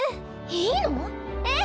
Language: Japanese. いいの⁉ええ！